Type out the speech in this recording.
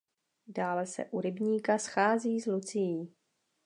Dále se u rybníka schází s Lucií.